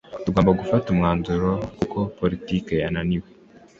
Tugomba gufata umwanzuro ko politiki yananiwe